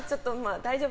大丈夫！